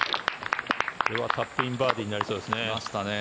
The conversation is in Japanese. これはチップインバーディーになりそうですね。